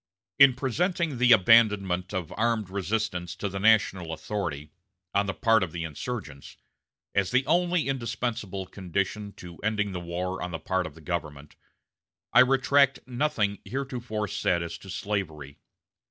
In presenting the abandonment of armed resistance to the national authority, on the part of the insurgents, as the only indispensable condition to ending the war on the part of the government, I retract nothing heretofore said as to slavery.